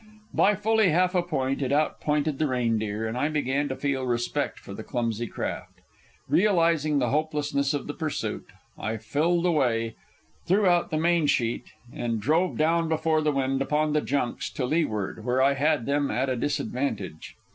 By fully half a point it outpointed the Reindeer, and I began to feel respect for the clumsy craft. Realizing the hopelessness of the pursuit, I filled away, threw out the main sheet, and drove down before the wind upon the junks to leeward, where I had them at a disadvantage.